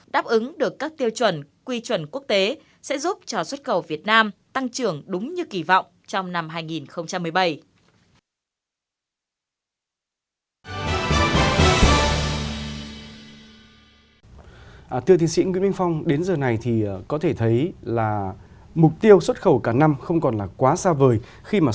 đáp ứng được các tiêu chuẩn quy chuẩn quốc tế sẽ giúp cho xuất khẩu việt nam tăng trưởng đúng như kỳ vọng trong năm hai nghìn một mươi bảy